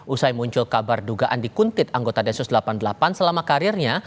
usai muncul kabar dugaan dikuntit anggota densus delapan puluh delapan selama karirnya